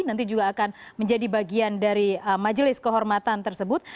nanti juga akan menjadi bagian dari majelis kehormatan tersebut